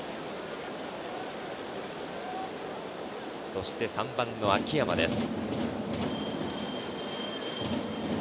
そして３番・秋山です。